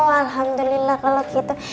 alhamdulillah kalau gitu